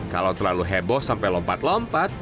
kalau terlalu heboh sampai lompat lompat